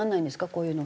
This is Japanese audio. こういうの。